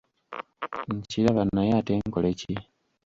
Nkiraba naye ate nkole ki?